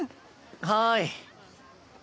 はい。